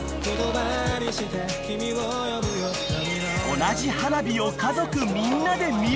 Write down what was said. ［同じ花火を家族みんなで見る］